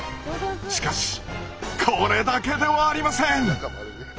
しかしこれだけではありません！